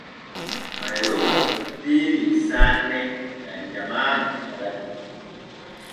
Mayroma teenii saane gam jamaanu ɓadake.